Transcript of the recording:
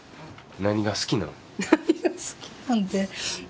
何が好きなんって。